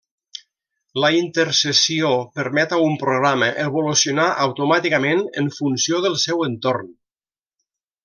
La intercessió permet a un programa evolucionar automàticament en funció del seu entorn.